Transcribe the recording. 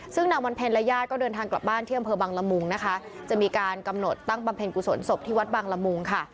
ซึ่งนางวันเพ็ญและญาติก็เดินทางกลับบ้านที่อำเภอบังละมุงนะคะจะมีการกำหนดตั้งบำเพ็ญกุศลศพที่วัดบางละมุงค่ะ